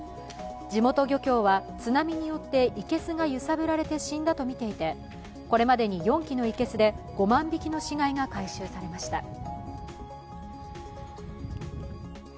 地元漁協は、津波によって生けすが揺さぶられて死んだとみていて、これまでに４基の生けすで５万匹の死骸が回収されました。